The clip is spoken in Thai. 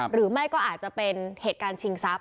หรือไม่ก็อาจจะเป็นเหตุการณ์ชิงทรัพย